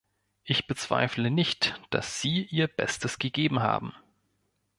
Ich bezweifle nicht, dass Sie Ihr Bestes gegeben haben.